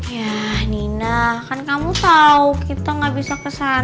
yah nina kan kamu tau kita gak bisa ke sana